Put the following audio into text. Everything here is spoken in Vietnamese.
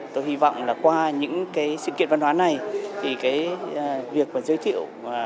tôi hy vọng là qua những cái sự kiện văn hóa này thì cái việc mà giới thiệu